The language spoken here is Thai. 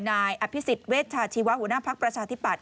นายอภิษฎเวชาชีวะหัวหน้าภักดิ์ประชาธิปัตย